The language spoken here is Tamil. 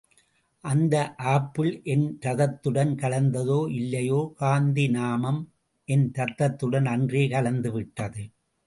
அந்த ஆப்பிள் என் ரத்தத்துடன் கலந்ததோ இல்லையோ காந்தி நாமம் என் ரத்தத்துடன் அன்றே கலந்து விட்டது.